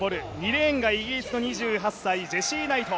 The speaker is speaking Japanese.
２レーンがイギリスの２８歳ジェシー・ナイト。